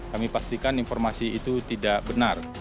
kami pastikan informasi itu tidak benar